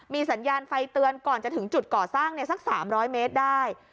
มีสัญญาณไฟเตือนก่อนจะถึงจุดเกาะสร้างเนี่ยสักสามร้อยเมตรได้